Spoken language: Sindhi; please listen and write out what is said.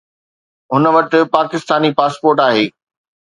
هن وٽ پاڪستاني پاسپورٽ آهي